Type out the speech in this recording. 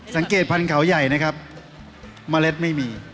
สังเกตภัณฑ์เขาใหญ่นะครับมะเร็ดไม่มี